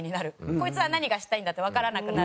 こいつは何がしたいんだ？ってわからなくなる。